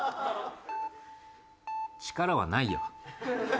力はないよ。